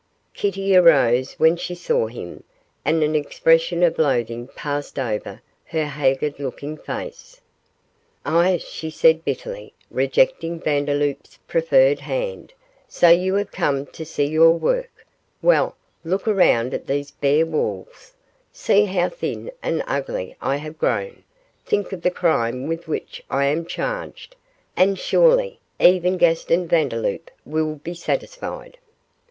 Kitty arose when she saw him, and an expression of loathing passed over her haggard looking face. 'Ah!' she said, bitterly, rejecting Vandeloup's preferred hand, 'so you have come to see your work; well, look around at these bare walls; see how thin and ugly I have grown; think of the crime with which I am charged, and surely even Gaston Vandeloup will be satisfied.